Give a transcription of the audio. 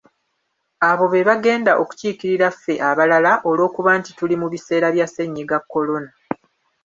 Abo be bagenda okukiikirira ffe abalala olw’okuba nti tuli mu biseera bya Ssenyiga Kolona.